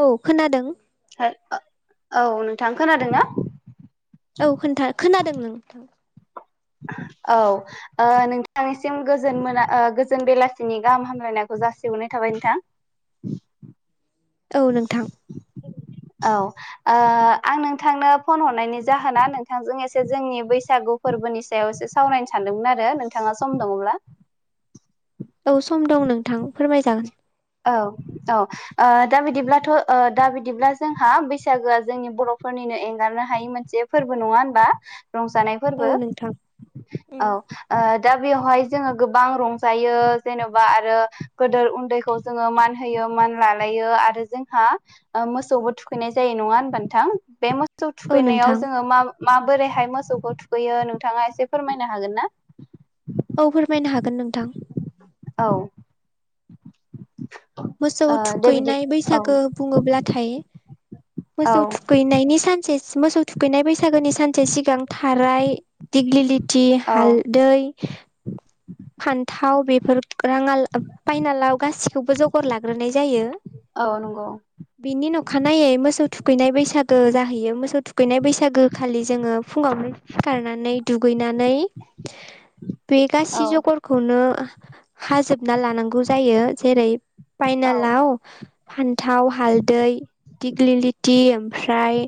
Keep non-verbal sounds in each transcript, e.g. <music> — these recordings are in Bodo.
औ खोनादों। औ नोंथां खोनादोंना? औ खोनथा खोनादों नोंथां। औ ओ नोंथांनिसिम गोजोन मोना ओ गोजोन बेलासिनि गाहाम हामलायनायखौ जासि जासिहरनाय थाबाय नोंथां। औ नोंथां। औ ओ आं नोंथांनो फन हरनायनि जाहोना नोंथांजों एसे जोंनि बैसा गु फोरबोनि सायाव एसे सावरायनो सानदोंमोन आरो नोंथांङा सम दंङब्ला? औ सम दं नोंथां फोरमायजागोन। औ औ ओ दा बिदिब्लाथ' ओ दा बिदिब्ला जोंहा बैसागोआ जोंनि बर'फोर नो एंगारनो हायै मोनसे फोरबो नंङा होनबा? रंजानाय फोरबो औ नोंथां औ ओ दा बेवहाय जोङो गोबां रंजायो जेन'बा आरो गदोर उन्दैखौ जोङो मान होयो मान लालायो आरो जोंहा ओ मोसौबो थुखैनाय जायो नङा होनबा नोथां? बे मोसौ सौ औ नोंथां थुखैनायाव जोङो मा माबोरैहाय मोसौखौ थुखैयो नोंथाङा एसे फोरमायनो हागोन ना? औ फोरमायनो हागोन नोंथां। औ। मोसौ ओ दे बिदि थुखैनाय औ बैसागो बुंङोब्लाथाय औ मोसौ थुखैनायनि सानसे मोसौ थु खैनाय बैसागोनि सानसे सिगां थाराय दिग्लिलिथि औ हालदै फान्थाव बेफोर रांङा ला फायनालाव गासिखौबो जगर लाग्रोनाय जायो। औ नं बिनि न' अखानायै मोसौ थु थुखैनाय बैसागो जाहैयो मोसौ थुखैनाय बैसागो खालि जोङो फुंङावहाय सिखारनानै दुगैना नानै <inaudible> बे गासै औ जगरखौनो हाजोब ना लानांगौ जायो जेरै औ फाइनालाव फान्थाव हालदै दिग्लिलिटि ओमफ्राय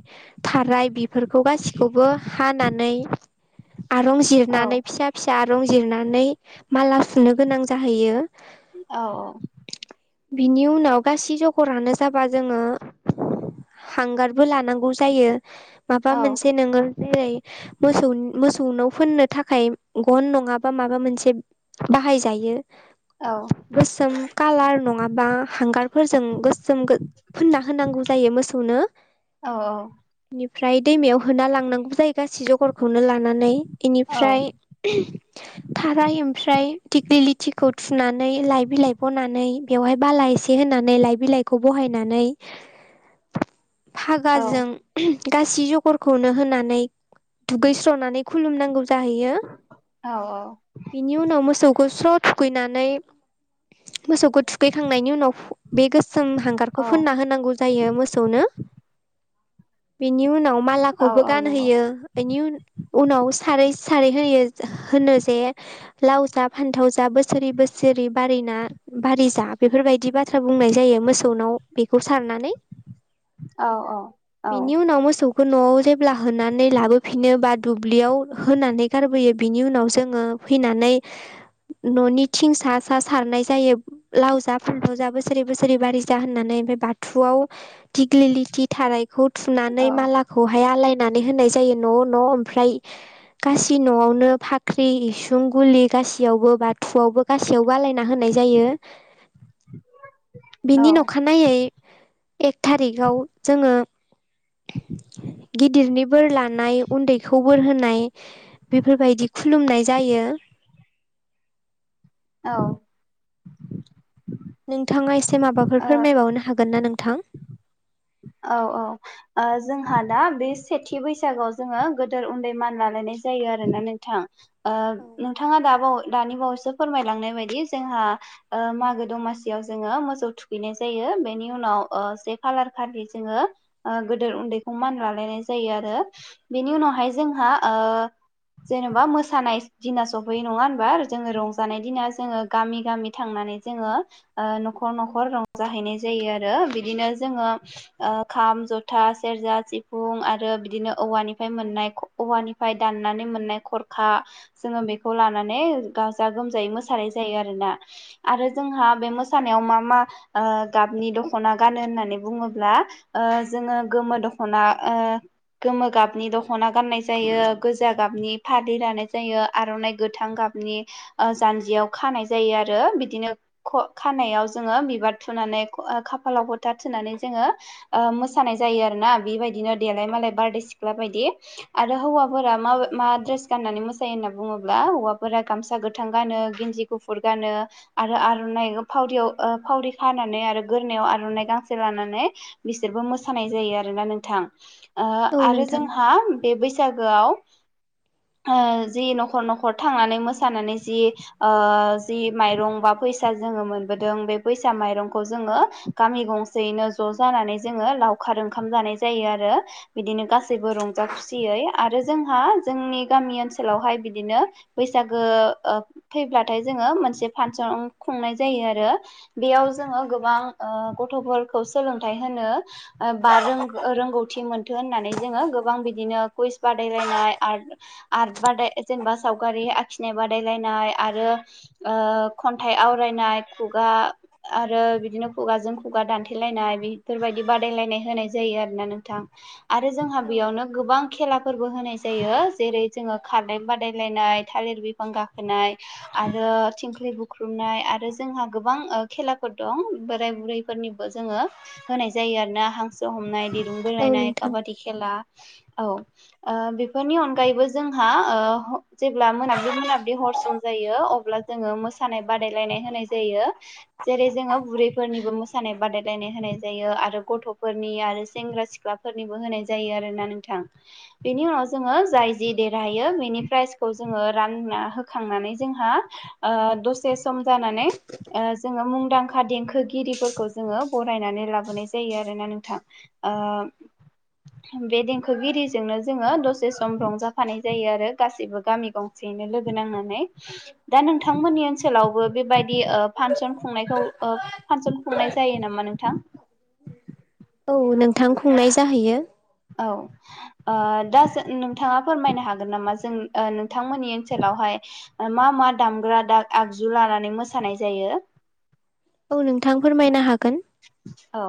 थाराय बेफोरखौ गासिखौबो हानानै <inaudible> आरं औ जिरनानै फिसा फिसा आरं जिरनानै माला सुनो गोनां जाहैयो। औ औ। बिनि उनाव गासै जगरानो जाबा जोङो हांगारबो लानांगौ जायो। माबा मोनसे नोङो जेरै मोसौनि मोसौ नाव फोननो थाखाय गन नंङाबा माबा मोनसे बाहायजायो। औ। गोसोम कालार नंङाबा हांगारफोरजों गोसोम फुनना होनांगौ जायो मो सौनो। अ। ओमफ्राय दैमायाव होना लांनांगौ जायो गासै जगर खौनो लानानै इनिफ्राय ओमफ्राय दिख्लि लथिखौ थुनानै लाइ बिलाइ बनानै बेवहाय बाला एसे होनानै लाइ बि बिलाइखौ बहायनानै <inaudible> औ फागाजों गासै जगरखौनो होनानै दुगैस्रनानै खुलुमनांगौ जाहयो। औ नि उनाव मोसौखौ स्र' थुखैनानै मोसौखौ थुखैखांनायनि उनाव बे गोसोम हांगारखौ फोनना औ होनांगौ जायो मोसौनो। बेनि उनाव मालाखौबो औ नंगौ गानहोयो बेनि उनाव सारै सारै होयो होनो जे लाव जा फान्थाव जा बोसोरै बोसोरै बारिना बारि जा बेफोरबायदि बाथ्रा बुं बुंनाय जायो मोसौनाव बेखौ सारनानै। औ औ औ। बेखौ न'आव जेब्ला होनानै लाबोफिनो बा दुब्लियाव होनानै गारबोयो बिनि उनाव जोङो फैनानै न'नि थिं सा सा सारनाय जायो लाव जा फान्थाव जा बोसोरै बोसोरै बारि जा होननानै। बि बाथुआव‌ दिग्लिलिथि थारायखौ‌ थुनानै औ मालाखौहाय आलाय नानै होनाय जायो न'न‌' ओमफाय गासै न'आवनो‌ फाख्रि इस सुं गुलि गासैयावबो बाथुआवबो गासैयावबो आलायना होनाय जायो। बिनिन औ अखानायै एक थारिखाव जोङो <inaudible> गिदिरनि बोर लानाय उन्दैखौ बोर होनाय बेफोरबायदि खुलुमनाय जायो। औ। नोंथाङा एसे माबाफोर फोरमायबावनो हागोन ना नोंथां? औ औ ओ जोंहा दा बे सेथि बैसागआव जोङो गोदोर उन्दै मान लानानै जायो आरोना नोंथां ओ नोंथाङा दा बाव दानि बावैसो फोरमायलांनाय बायदि जोंहा ओ मागो दमासियाव जोङो मोसौ थुखैनाय जायो। बेनि उनाव ओ से कालार खालि जोङो ओ गोदोर उन्दैखौ मान लालायनाय जायो आरो बेनि उनावहाय जोंहा ओ ओ जेन'बा मोसानाय दिना सफैयो नङा होनबा जोङो रंजानाय दिना जोङो गामि गामि थांना नानै जोङो ओ न'खर न'खर रंजाहैनाय जायो आरो बिदिनो जोङो ओ खाम जथा सेरजा सिफुं आरो बिदिनो औवानिफ्राय मोननाय औवानि फ्राय दाननानै मोननाय खरखा जोङो बेखौ लानानै गाजा गोमजायै मोसानाय जायो आरो ना‌ आरो जोंहा बे मोसानायाव मा मा ओ गाबनि दख'ना गानो होननानै बुङो ब्ला ओ जोङो गोमो दख'ना ओ गोमो गाबनि दख'ना गाननाय जायो। गोजा गाबनि फालि लानाय जायो आर'नाइ गोथां गाबनि ओ जान्जियाव खानाय जायो। आरो बिदिनो ख' खानायाव जोङो बिबार थुनानै खाफालाव फोथा थुनानै जोङो ओ मोसानाय जायो आरोना बे बायदिनो देलाय मालाय बारदै सिख्ला बायदि आरो हौवा हौवाफोरा मा मा ड्रेस गाननानै मोसायो होनना बुङोब्ला हौवाफोरा गामसा गोथां गानो गिन्जि गुफुर गानो आरो आर'नाइ फावरिआव ओ फावरि खानानै आरो गोरनायाव आर'नाइ गांसे लाना नै बिसोरबो मोसानाय जायो आरोना नोंथां ओ औ आरो नोंथां जोंहा बे बै सागोआव‌ ओ जि न'खर न'खर थांनानै मोसानानै जि ओ जि माइरं बा फैसा जोङो मोनबोदों बे बैसा माइरंखौ जोङो गामि गंसेैयैनो ज' जानानै जोङो लावखार ओंखाम जानाय जायो आरो बिदिनो गासैबो रंजा खुसियै आरो जोंहा जोंनि गामि ओनसोलावहाय बिदिनो बैसागो ओ फैब्लाथाय जोङो मोनसे‌ फांसन खुंनाय जायो आरो बेयाव जोङो गोबां ओ गथ'फोरखौ सोलोंथाइ होनो ओ बा रोंगौथि मोनथों होननानै जोङो गोबां बिदिनो कुइस बा दायलायनाय आर आर्ट बादाय जेनेबा सावगारि आखिनाय बादायलायनाय आरो ओ खन्थाइ आवरायनाय खुगा आरो बिदिनो खुगाजों खुगा दान्थे लायनाय बेफोरबायदि बादायलायनाय होनाय जायो आरोना नोंथां आरो जोंहा बेयावनो गोबां खे ला‌ फोरबो होनाय जायो जेरै जोङो खारनाय बादायलायनाय थालिर बिफां गाखोनाय आ रो थिंख्लि बुख्रुबनाय आरो जोंहा गोबां ओ खेलाफोर दं बोराय बुरैफोरनि जोङो होनाय जायो आरोना हांसो हमनाय दिरुं औ बोलायनाय नोंथां काबादि खेला औ ओ बेफोरनि अनगायैबो जोंहा ओ जेब्ला मोनाब्लि मोनाब्लि हर सम जायो अब्ला जोङो मोसानाय बादायनाय होनाय जायो जेरै जोङो बुरैफोरनि मोसानाय बादायलायनाय होनाय जायो आरो गथ'फोरनि आरो सेंग्रा सिख्लाफोरनिबो होनाय जायो आरोना नोंथां बेनि उनाव जोङो जाय जि देरहायो बेनि प्राइजखौ जोङो रानना होखांनानै जोंहा हा ओ दसे सम जानानै ओ जोङो मुंदांखा देंखोगिरिफोरखौ जोङो बरायनानै लाबोनाय जायो आरोना नोंथां ओ बे देंखोगिरिजोंनो जोङो दसे सम रंजाफानाय जायो आरो गासिबो गामि गंसे नो‌ लोगो नांनानै दा‌ नोंथां मोननि ओनसोलावबो‌ बे बायदि फांसन‌ फांसन खुंनायखौ‌ फानसन खुंनाय जायो नामा नोंथां औ नोंथां खुंनाय जाहैयो औ ओ दा जा नोंथाङा फोरमायनो हागोन नामा जों ओ नोंथांमोननि ओनसोलाव हाय मा मा दामग्रा दाग आगजु लानानै मोसानाय जायो औ नोंथां फोरमायनो हागोन औ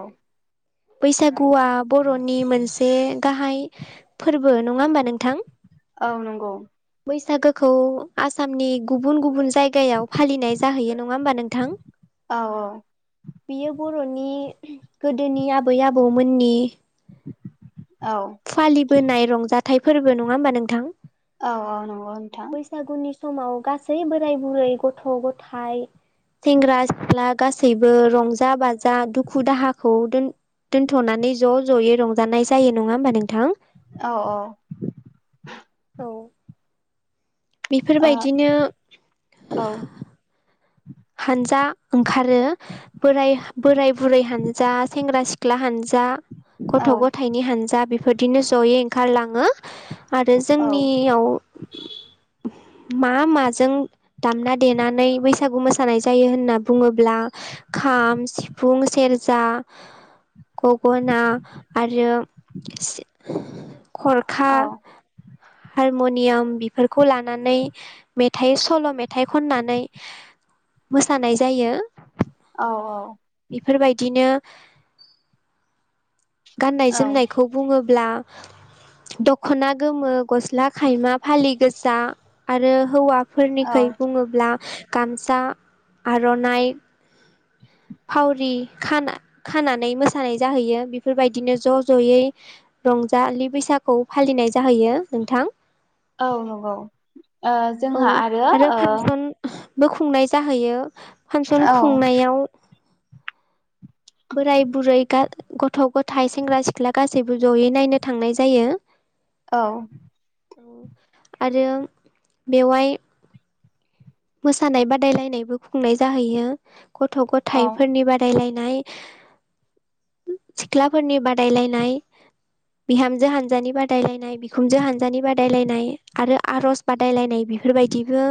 बैसागुआ बर'नि मोनसे गाहाय फोरबो नङा होमबा नोंथां औ नंगौ। बैसागोखौ आसामनि गुबुन गुबुन जायगायाव फालिनाय जाहैयो नङा होनबा नोंथां औ बियो बर'नि गोदोनि बै आबौमोननि औ फालिबोनाय रंजाथाइ फोरबो नङा होमबा नोंथां औ औ नंगौ नोंथां बैसागुनि समाव गासै बोराय बुरै गथ' गथाय सेंग्रा सिख्ला गासैबो रंजा बाजा दुखु दाहाखौ दोन थ'नानै ज' ज'यै रंजानाय जायो नङा होमबा नों औ औ औ औ ओ बेफोरबायदिनो हानजा ओंखारो बोराय बोराय बुरै हानजा सेंग्रा सिख्ला हानजा औ गथ' गथायाइनि हानजा बेफोरदिनो जयै ओंखारलाङो आरो औ जोंनियाव मा माजों दामना देनानै बै मोसानाय जायो होनना बुङोब्ला खाम, सिफुं, सेरजा गगना आरो खरखा औ <inaudible> हारमुनियाम बेफोरखौ लानानै मेथाइ सल' मेथाइ खननानै मोसानाय जायो औ औ बेफोरबायदिनो गाननाय औ औ जोमनायखौ बुङोब्ला <inaudible> दख'ना गोमो, गस्ला खायमा, फालि गोसा आरो हौवा औ फोरनिख्रुइ बुङोब्ला गामसा आर'नाइ फावरि खाना खानानै मोसानाय जाहैयो बेफोरबायदिनो ज' ज'यै रंजालि बैसागु फालिनाय जाहैयो नोंथां। औ नंगौ ओ औ जोंहा आरो ओ फांसन बो खुंनाय जाहैयो फांसन औ खुंनायाव बोराय बुरै गथ' गथाय सेंग्रा सिख्ला गासैबो जयै नायनो थांनाय जायो। औ औ आरो बेवहाय मोसानाय बादायलायनायबो खुंनाय जाहैयो गथ' औ गथायफोरनि बादायलायनाय सिख्लाफोरनि बादायलायनाय बिहामजो हानजानि बादायलायनाय बिखुनजो हानजानि बादायलायनाय आरो आर'ज बादायलायनाय बेफोरबायदिबो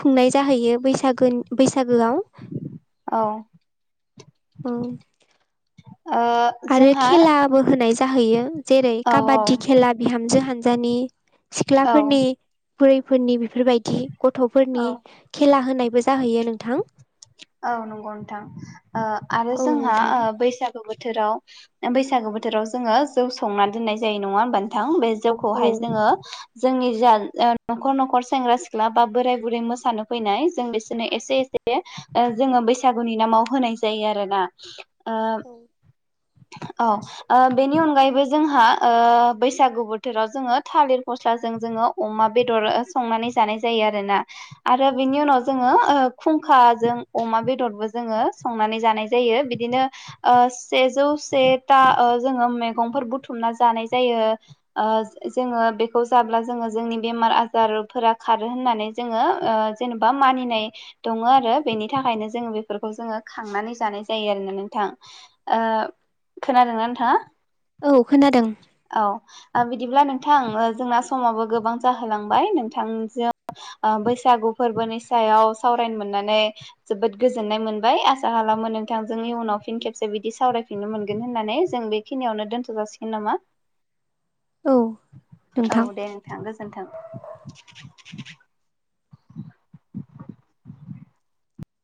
खुंनाय जाहैयो बैसाग बैसागोआव औ औ ओ आरो जोंहा खेलाबो होनाय जाहैयो जेरै औ औ काबादि खेला बिहामजो हानजानि औ सिख्लाफोरनि बुरैफोरनि बेफोरबायदि गथ'फोरनि औ खेला होनायबो जाहैयो नोंथां औ नंगौ नोंथां ओ आरो औ जोंहा नोंथां ओ बैसागो बोथोराव बैसागु बोथोराव जोङो जौ संना दोननाय जायो नङा होमबा नोंथां बे जौखौ औ हाय जोङो जोंनि जा न'खर न'खर सेंग्रा सिख्ला बा बोराय गुरै मोसानो फैनाय जों बिसोरनो एसे एसे जोङो बैसागुनि नामाव होनाय जायो आरो ना ओ औ ओ बेनि अनगायैबो जोंहा ओ बैसागु बोथोराव जोङो थालिर फस्लाजों जों अमा बेदर संनानै जानाय जायो आरोना आरो बिनि उनाव जोङो ओ खुंखाजों अमा बेदरबो जोङो संनानै जानाय जायो बिदिनो ओ सेजौ सेथा जोनो मेगंफोर बुथुमना जानाय जायो ओ जोङो बेखौ जा ब्ला जोङो जोंनि बेमार आजारफोरा खारो होननानै जोङो ओ जेनेबा मानिनाय दङ। सङो आरो बेनि थाखायनो जोङो बेफोरखौ जोङो खांनानै जानाय जायो आरोना नोंथां ओ खोनादोंना नोंथाङा? औ खोनादों औ बिदिब्ला नोंथां जोंना समाबो गोबां जाहोलांबाय नोंथांजों ओ बैसागु फोरबोनि सायाव सावरायनो मोननानै जोबोद गोजोननाय मोनबाय आसा खालामो नोंथांजों उनाव फिन खेबसे बिदि सावरायफिननो मोनगोन होन्नानै जों बेखिनियावनो दोनथ' जासिगोन नामा? औ औ नोंथां दे नोंथां गोजोनथों।